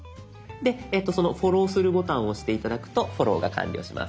その「フォローする」ボタンを押して頂くとフォローが完了します。